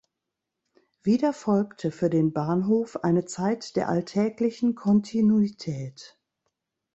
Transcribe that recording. Wieder folgte für den Bahnhof eine Zeit der alltäglichen Kontinuität.